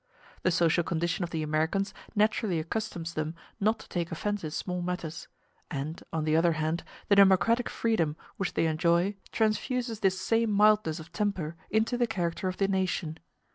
The social condition of the Americans naturally accustoms them not to take offence in small matters; and, on the other hand, the democratic freedom which they enjoy transfuses this same mildness of temper into the character of the nation.